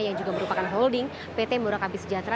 yang juga merupakan holding pt murakabi sejahtera